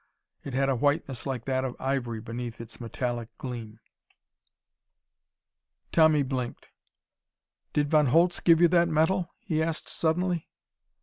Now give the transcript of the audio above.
It had a whiteness like that of ivory beneath its metallic gleam. Tommy blinked. "Did Von Holtz give you that metal?" he asked suddenly.